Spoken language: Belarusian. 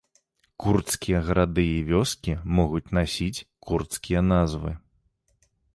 Курдскія гарады і вёскі могуць насіць курдскія назвы.